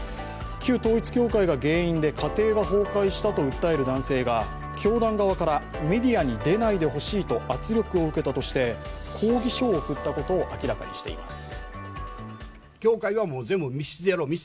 旧統一教会が原因で家庭が崩壊したと訴える男性が教団側からメディアに出ないでほしいと圧力を受けたとして抗議書を送ったことを明らかにしています。